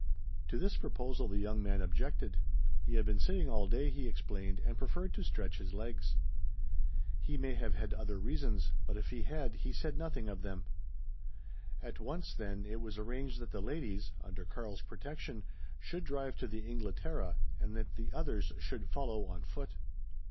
To this proposal the young man objected. He had been sitting all day, he explained, and preferred to stretch his legs. He may have had other reasons, but if he had he said nothing of them. At once, then, it was arranged that the ladies, under Karl's protection, should drive to the Inglaterra, and that the others should follow on foot.